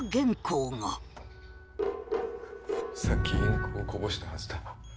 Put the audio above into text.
さっきインクをこぼしたはずだ。